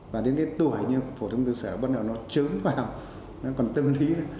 và đến cái tuổi như phổ thông tư sở bắt đầu nó trớn vào nó còn tâm lý